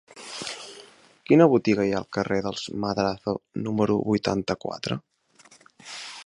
Quina botiga hi ha al carrer dels Madrazo número vuitanta-quatre?